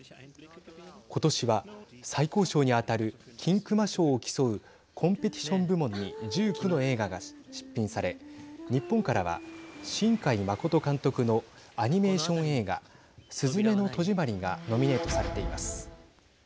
今年は最高賞に当たる金熊賞を競うコンペティション部門に１９の映画が出品され日本からは新海誠監督のアニメーション映画すずめの戸締まりがノミネートされています。